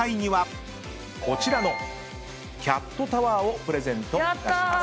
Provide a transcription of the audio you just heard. こちらのキャットタワーをプレゼントいたします。